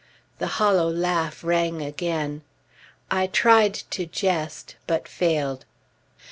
The hollow laugh rang again. I tried to jest, but failed.